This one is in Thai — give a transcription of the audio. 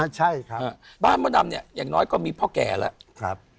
ใช่ครับบ้านมดดำเนี่ยอย่างน้อยก็มีพ่อแก่แล้ว